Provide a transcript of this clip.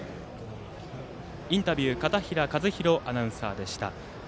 インタビュー片平和宏アナウンサーでした。